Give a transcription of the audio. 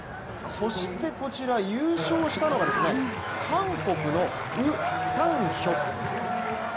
そしてこちら、優勝したのが韓国のウ・サンヒョク。